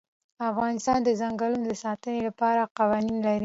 افغانستان د ځنګلونه د ساتنې لپاره قوانین لري.